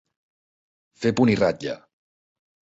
Fer punt i ratlla.